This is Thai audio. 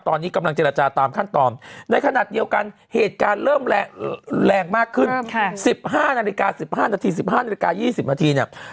ตอนนี้กำลังเจรจาตามขั้นตอนในขณะเดียวกันเหตุการณ์เริ่มแรงมากขึ้น๑๕นาฬิกา๑๕นาที๑๕นาฬิกา๒๐นาทีเนี่ย